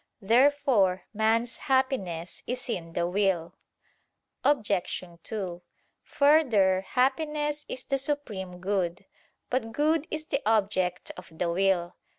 Therefore man's happiness is in the will. Obj. 2: Further, happiness is the supreme good. But good is the object of the will.